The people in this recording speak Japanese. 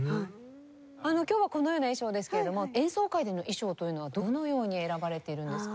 今日はこのような衣装ですけれども演奏会での衣装というのはどのように選ばれているんですか？